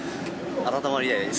温まりたいです。